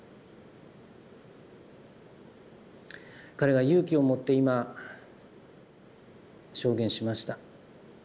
彼が勇気をもって今証言しました。